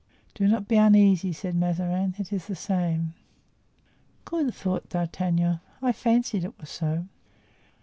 "Do not be uneasy," said Mazarin; "it is the same." "Good!" thought D'Artagnan; "I fancied it was so."